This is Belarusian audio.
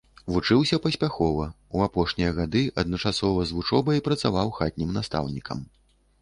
Вучыўся паспяхова, у апошнія гады адначасова з вучобай працаваў хатнім настаўнікам.